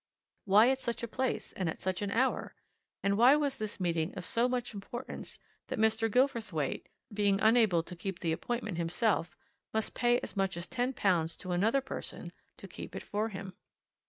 Why at such a place, and at such an hour? And why was this meeting of so much importance that Mr. Gilverthwaite, being unable to keep the appointment himself, must pay as much as ten pounds to another person to keep it for him?